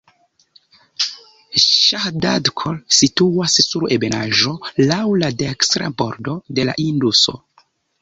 Ŝahdadkot situas sur ebenaĵo laŭ la dekstra bordo de la Induso.